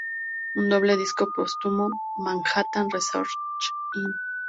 Un doble disco póstumo, "Manhattan Research Inc.